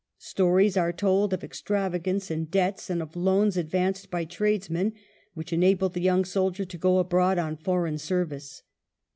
Stories are told of extravagance and debt, and of loans advanced by tradesmen which enabled the young soldier to go abroad on foreign service.